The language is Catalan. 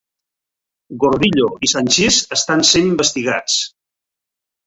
Gordillo i Sanchis estan sent investigats